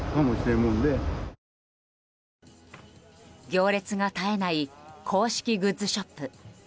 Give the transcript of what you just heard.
行列が絶えない公式グッズショップ。